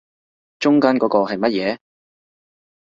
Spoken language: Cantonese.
中間嗰個係乜嘢